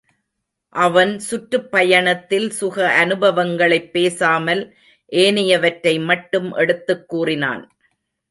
அவன் சுற்றுப் பயணத்தில் சுக அனுபவங்களைப் பேசாமல் ஏனையவற்றை மட்டும் எடுத்துக் கூறினான்.